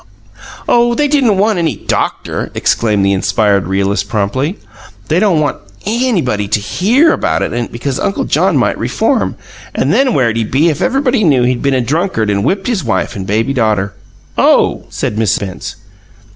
"Oh, they didn't want any DOCTOR," exclaimed the inspired realist promptly. "They don't want anybody to HEAR about it because Uncle John might reform and then where'd he be if everybody knew he'd been a drunkard and whipped his wife and baby daughter?" "Oh!" said Miss Spence.